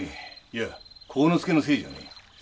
いや晃之助のせいじゃねえ。